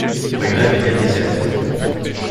La grève était déserte